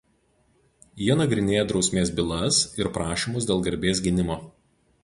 Jie nagrinėja drausmės bylas ir prašymus dėl garbės gynimo.